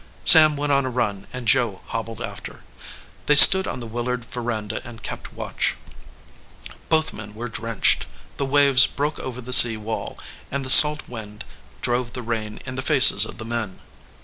Sam went on a run and Joe hobbled after. They stood on the Willard veranda and kept watch. Both men were drenched. The waves broke over the sea wall, and the salt wind drove the rain in the faces of the men.